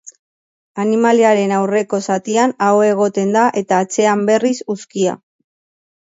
Animaliaren aurreko zatian ahoa egoten da eta atzean berriz uzkia.